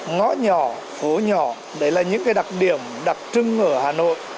ngõ nhỏ phố nhỏ đấy là những đặc điểm đặc trưng ở hà nội